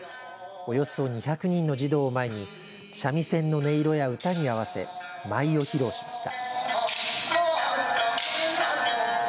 およそ２００人の児童を前に三味線の音色や唄に合わせ舞を披露しました。